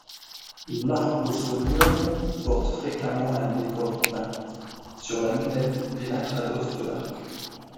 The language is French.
L'arcosolium porte fréquemment un décor peint, sur la lunette et l'intrados de l'arc.